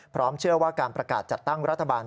เชื่อว่าการประกาศจัดตั้งรัฐบาล